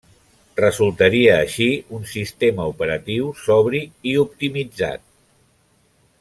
Resultaria així un sistema operatiu sobri i optimitzat.